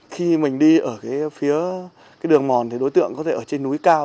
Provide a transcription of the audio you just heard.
khi mình đi ở cái phía đường mòn thì đối tượng có thể ở trên núi cao